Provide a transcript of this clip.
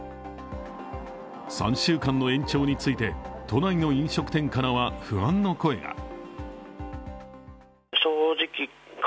３週間の延長について都内の飲食店からは不安の声が。